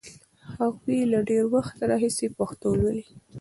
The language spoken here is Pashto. هغوی له ډېر وخت راهیسې پښتو لولي.